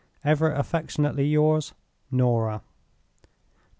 "Ever affectionately yours, "NORAH.